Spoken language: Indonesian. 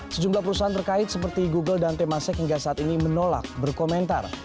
sejumlah perusahaan terkait seperti google dan temasek hingga saat ini menolak berkomentar